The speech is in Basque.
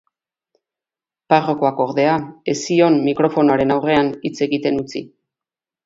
Parrokoak, ordea, ez zion mikrofonoaren aurrean hitz egiten utzi.